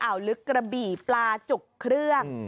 ลึกกระบี่ปลาจุกเครื่อง